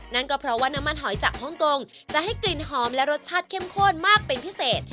นั่นก็เพราะว่าน้ำมันหอยจากฮ่องกงจะให้กลิ่นหอมและรสชาติเข้มข้นมากเป็นพิเศษ